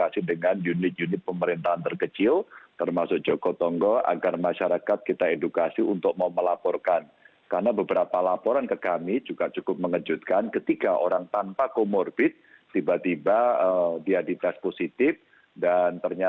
selamat sore mbak rifana